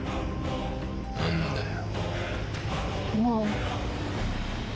何だよ？